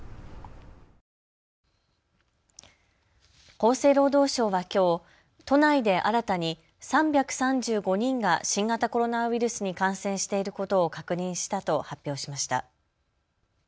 厚生労働省はきょう都内で新たに３３５人が新型コロナウイルスに感染していることを確認したと発表しました。